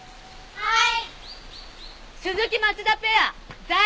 はい！